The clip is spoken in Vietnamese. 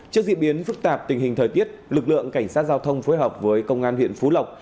trước diễn biến phức tạp tình hình thời tiết lực lượng cảnh sát giao thông phối hợp với công an huyện phú lộc